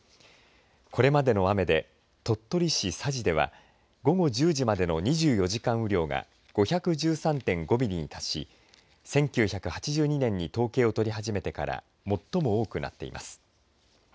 これまでの雨で鳥取市佐治では午後１０時までの２４時間雨量が５１３．５ミリに達し１９８２年に統計を取り始めてから最も多くなっています。